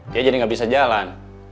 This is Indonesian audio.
dia jadi nggak bisa jalan